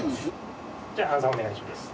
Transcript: じゃあアンサーお願いします。